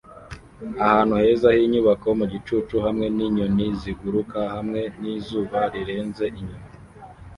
Ahantu heza h'inyubako mu gicucu hamwe ninyoni ziguruka hamwe nizuba rirenze inyuma